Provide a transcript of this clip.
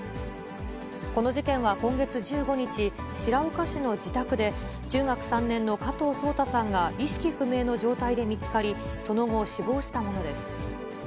この事件は今月１５日、白岡市の自宅で、中学３年の加藤颯太さんが意識不明の状態で見つかり、その後、死亡したものです。